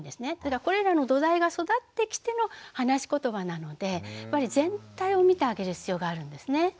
ただこれらの土台が育ってきての話しことばなのでやっぱり全体を見てあげる必要があるんですね。